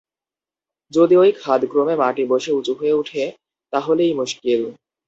যদি ঐ খাদ ক্রমে মাটি বসে উঁচু হয়ে উঠে, তাহলেই মুশকিল।